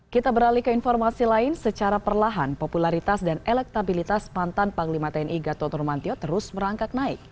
kita beralih ke informasi lain secara perlahan popularitas dan elektabilitas mantan panglima tni gatot nurmantio terus merangkak naik